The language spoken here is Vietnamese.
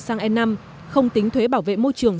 xăng e năm không tính thuế bảo vệ môi trường